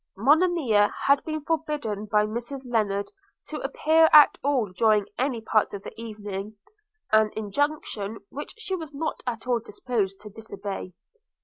Monimia had been forbidden by Mrs Lennard to appear at all during any part of the evening; an injunction which she was not at all disposed to disobey.